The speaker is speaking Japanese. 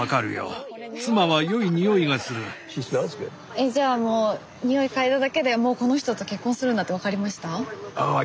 えっじゃあもうにおい嗅いだだけでもうこの人と結婚するんだって分かりました？